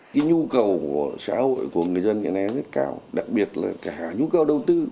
cái nhu cầu của xã hội của người dân hiện nay rất cao đặc biệt là cả nhu cầu đầu tư